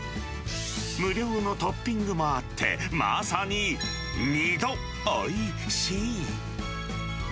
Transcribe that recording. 無料のトッピングもあって、まさに２度おいしい。